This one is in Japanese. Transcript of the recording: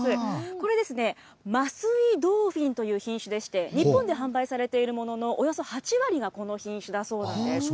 これですね、桝井ドーフィンという品種でして、日本で販売されているもののおよそ８割がこの品種なんだそうです。